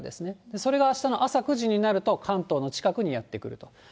それが、あしたの朝９時になると、関東の近くにやって来ると。